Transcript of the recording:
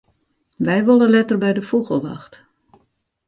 Wy wolle letter by de fûgelwacht.